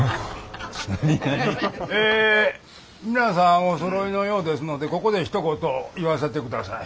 え皆さんおそろいのようですのでここでひと言言わせてください。